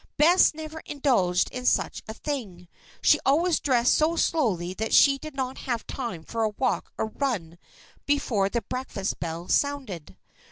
Bess never indulged in such a thing. She always dressed so slowly that she did not have time for a walk or a run before the breakfast bell sounded.